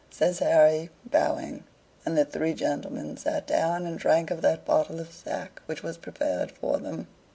says Harry, bowing; and the three gentlemen sat down and drank of that bottle of sack which was prepared for them.